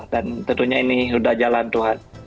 dan tentunya ini sudah jalan tuhan